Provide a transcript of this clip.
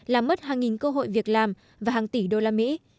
làm mất hàng nghìn cơ hội việc làm và hàng tỷ đô la mỹ